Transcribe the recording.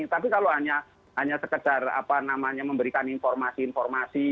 tapi kalau hanya sekedar memberikan informasi informasi